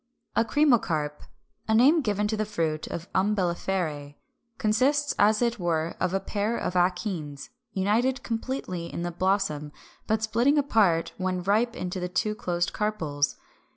] 361. =A Cremocarp= (Fig. 385), a name given to the fruit of Umbelliferæ, consists as it were of a pair of akenes united completely in the blossom, but splitting apart when ripe into the two closed carpels.